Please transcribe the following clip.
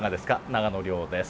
長野亮です。